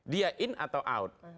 dia in atau out